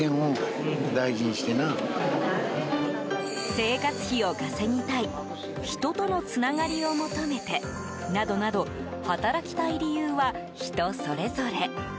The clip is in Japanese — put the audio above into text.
生活費を稼ぎたい人とのつながりを求めてなどなど働きたい理由は人それぞれ。